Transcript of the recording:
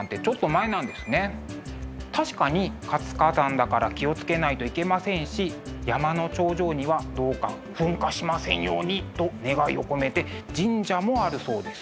確かに活火山だから気を付けないといけませんし山の頂上にはどうか噴火しませんようにと願いを込めて神社もあるそうです。